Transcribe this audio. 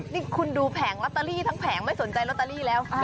นี่คุณดูแผงลอตเตอรี่ทั้งแผงไม่สนใจลอตเตอรี่แล้ว